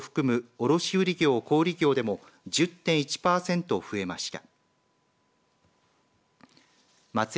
卸売業・小売り業でも１０．１パーセント増えました。